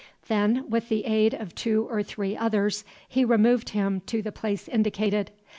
Then, with the aid of two or three others, he removed him to the place indicated.